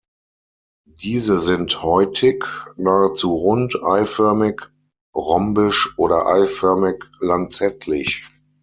Diese sind häutig, nahezu rund, eiförmig, rhombisch oder eiförmig-lanzettlich.